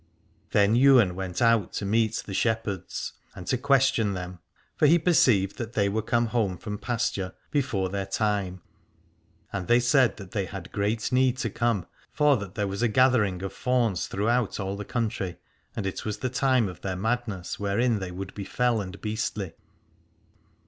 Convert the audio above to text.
Then Ywain went out to meet the shepherds, and to question them, for he perceived that they were come home from pasture before 213 Aladore their time. And they said that they had great need to come, for that there was a gathering of fauns throughout all the country, and it was the time of their madness wherein they would be fell and beastly.